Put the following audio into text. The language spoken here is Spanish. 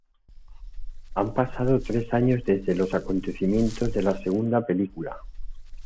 Han pasado tres años desde los acontecimientos de la segunda película.